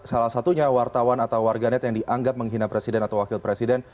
salah satunya wartawan atau warganet yang dianggap menghina presiden atau wakil presiden